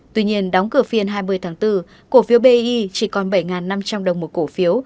tuy nhiên đóng cửa phiên hai mươi tháng bốn cổ phiếu bi chỉ còn bảy năm trăm linh đồng một cổ phiếu